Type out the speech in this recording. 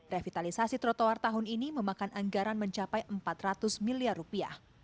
revitalisasi trotoar tahun ini memakan anggaran mencapai empat ratus miliar rupiah